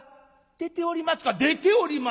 「出ております出ております。